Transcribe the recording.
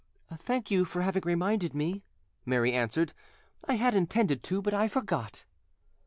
"Thank you for having reminded me," Mary answered; "I had intended to, but I forgot".